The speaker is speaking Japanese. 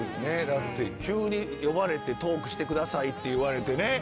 だって急に呼ばれてトークしてくださいって言われてね。